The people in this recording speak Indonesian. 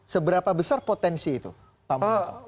seberapa besar potensi itu pak mul